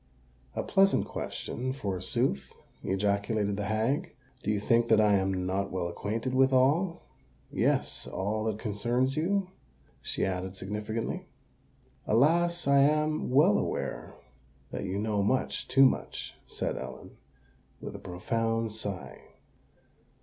"A pleasant question, forsooth!" ejaculated the hag. "Do you think that I am not well acquainted with all—yes, all that concerns you?" she added significantly. "Alas! I am well aware that you know much—too much," said Ellen, with a profound sigh.